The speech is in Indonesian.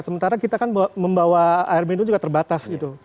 sementara kita kan membawa air minum juga terbatas gitu